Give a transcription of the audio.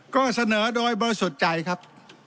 ก็เสนอโดยบริสุทธิ์ใจครับ